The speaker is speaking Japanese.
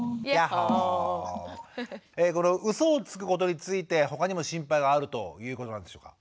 このうそをつくことについて他にも心配があるということなんでしょうか？